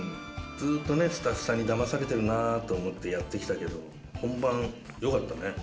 ずっとねスタッフさんにだまされてるなと思ってやってきたけど本番よかったね。